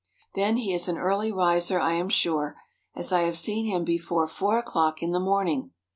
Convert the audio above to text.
Then he is an early riser I am sure, as I have seen him before four o'clock in the morning.